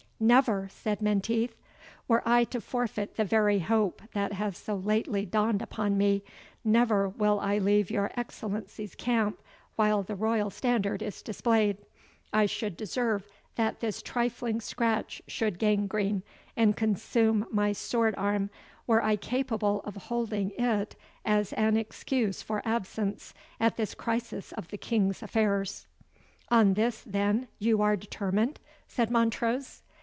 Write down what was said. "Never!" said Menteith. "Were I to forfeit the very hope that has so lately dawned upon me, never will I leave your Excellency's camp while the royal standard is displayed. I should deserve that this trifling scratch should gangrene and consume my sword arm, were I capable of holding it as an excuse for absence at this crisis of the King's affairs." "On this, then, you are determined?" said Montrose.